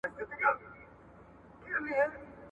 تاسي باید په ژوند کي د مرګ یاد په زړه کي وساتئ.